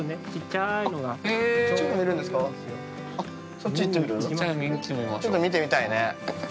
ちょっと見てみたいね。